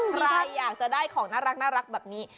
ใครอยากจะได้ของน่ารักแบบนี้